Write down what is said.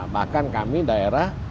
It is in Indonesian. bahkan kami daerah